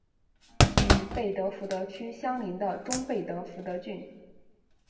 与贝德福德区相邻的中贝德福德郡。